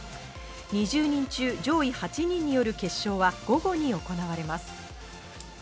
２０人中、上位８人による決勝は午後に行われます。